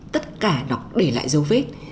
tất cả nó để lại dấu vết